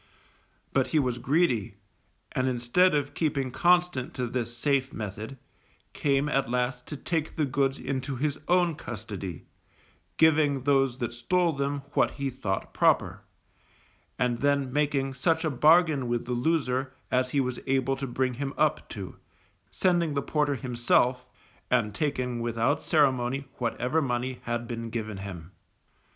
But he was greedy, and instead of keeping constant to this safe method, came at last to take the goods into his own custody, giving those that stole them what he thought proper, and then making such a bargain with the loser as he was able to bring him up to, sending the porter himself, and taking without ceremony whatever money had been given him.